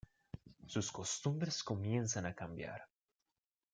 Sus costumbres comienzan a cambiar.